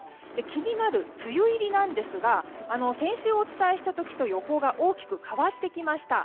気になる梅雨入りなんですが先週お伝えした時と予報が大きく変わってきました。